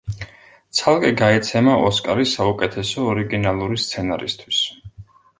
ცალკე გაიცემა ოსკარი საუკეთესო ორიგინალური სცენარისთვის.